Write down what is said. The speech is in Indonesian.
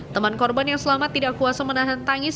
teman korban yang selamat tidak kuasa menahan tangis